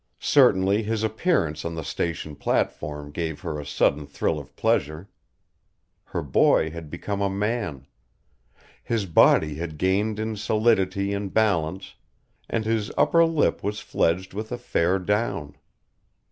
Certainly his appearance on the station platform gave her a sudden thrill of pleasure. Her boy had become a man; his body had gained in solidity and balance, and his upper lip was fledged with a fair down.